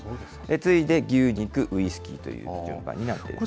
次いで牛肉、ウイスキーという順番になっています。